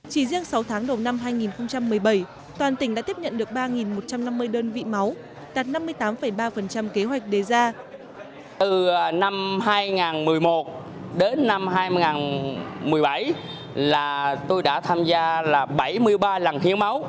chỉ riêng sáu tháng đầu năm hai nghìn một mươi bảy toàn tỉnh đã tiếp nhận được ba một trăm năm mươi đơn vị máu